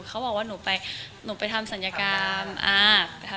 เขาบอกว่าหนูไปทำสัญญากราม